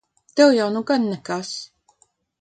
Tev jau nu gan nekas!